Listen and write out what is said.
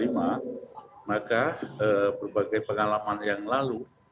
maka berbagai pengalaman yang lalu